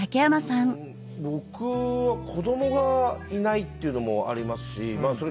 僕は子どもがいないっていうのもありますしそれ